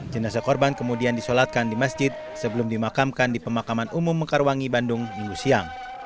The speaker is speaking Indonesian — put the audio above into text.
jenazah korban kemudian disolatkan di masjid sebelum dimakamkan di pemakaman umum mekarwangi bandung minggu siang